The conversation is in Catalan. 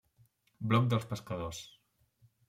Bloc dels Pescadors.